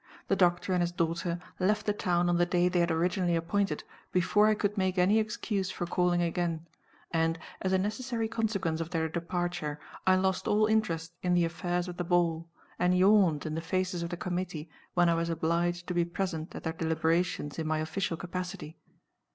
The doctor and his daughter left the town on the day they had originally appointed, before I could make any excuse for calling again; and, as a necessary consequence of their departure, I lost all interest in the affairs of the ball, and yawned in the faces of the committee when I was obliged to be present at their deliberations in my official capacity.